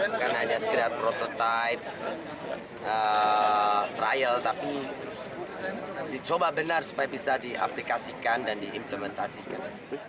bukan hanya sekedar prototipe trial tapi dicoba benar supaya bisa diaplikasikan dan diimplementasikan